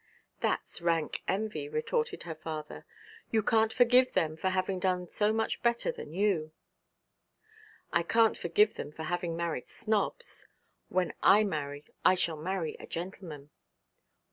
'That's rank envy,' retorted her father 'You can't forgive them for having done so much better than you.' 'I can't forgive them for having married snobs. When I marry I shall marry a gentleman.'